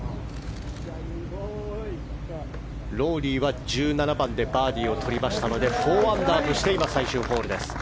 ロウリーは１７番でバーディーをとりましたので４アンダーとして今、最終ホールです。